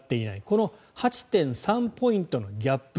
この８．３ポイントのギャップ